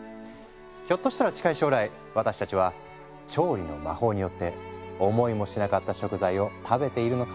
ひょっとしたら近い将来私たちは調理の魔法によって思いもしなかった食材を食べているのかもしれないね。